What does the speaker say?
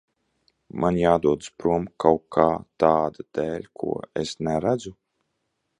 Man jādodas prom kaut kā tāda dēļ, ko es neredzu?